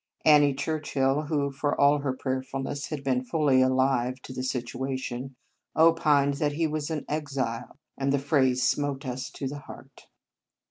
Annie Churchill, who, for all her prayerfulness, had been fully alive to the situation, opined that he was an " exile," and the phrase smote us to the heart.